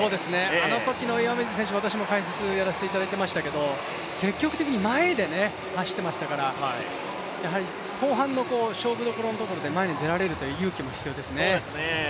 あのときの岩水選手、私も解説をやらせてもらいましたけど、積極的に前で走ってましたからやはり後半の勝負どころで前に出られるという勇気も必要ですね。